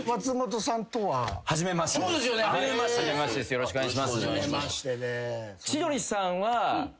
よろしくお願いします。